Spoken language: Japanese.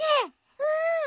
うん。